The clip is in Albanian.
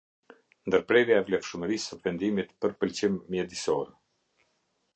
Ndërprerja e vlefshmërisë së Vendimit për Pëlqim Mjedisor.